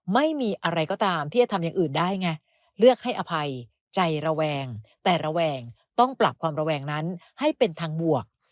ไม่มีอะไรก็ตามที่จะทำอย่างอื่นได้ไงเลือกให้อภัยใจระแวงแต่ระแวงต้องปรับความระแวงนั้นให้เป็นทางบวก